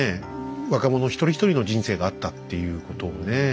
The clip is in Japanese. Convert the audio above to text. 若者一人一人の人生があったっていうことをね